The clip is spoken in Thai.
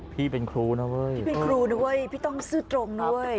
พี่เป็นครูนะเว้ยพี่ต้องซื่อตรงนะเว้ย